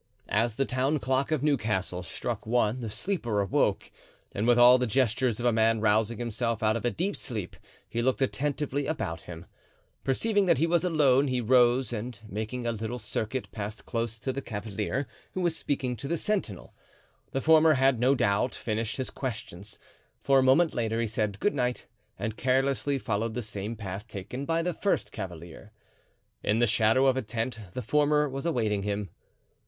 As the town clock of Newcastle struck one the sleeper awoke, and with all the gestures of a man rousing himself out of deep sleep he looked attentively about him; perceiving that he was alone he rose and making a little circuit passed close to the cavalier who was speaking to the sentinel. The former had no doubt finished his questions, for a moment later he said good night and carelessly followed the same path taken by the first cavalier. In the shadow of a tent the former was awaiting him.